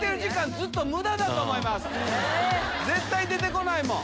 絶対出て来ないもん。